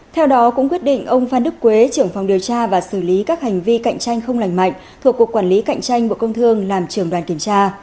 theo đó cũng quyết định ông phan đức quế trưởng phòng điều tra và xử lý các hành vi cạnh tranh không lành mạnh thuộc cục quản lý cạnh tranh bộ công thương làm trưởng đoàn kiểm tra